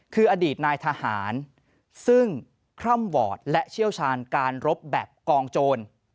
คืออดีตนายทหารซึ่งคล่อมวอร์ดและเชี่ยวชาญการรบแบบกองโจร